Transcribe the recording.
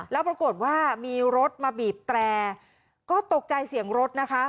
แล้วปรากฏว่ามีรถมาบีบแตรก็ตกใจเสียงรถนะคะ